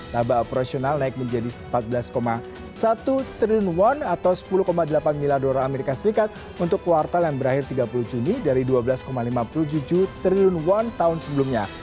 laba operasional naik menjadi empat belas satu triliun won atau sepuluh delapan miliar dolar as untuk kuartal yang berakhir tiga puluh juni dari dua belas lima puluh tujuh triliun won tahun sebelumnya